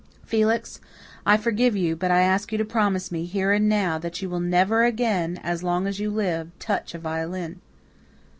"Felix, I forgive you, but I ask you to promise me, here and now, that you will never again, as long as you live, touch a violin."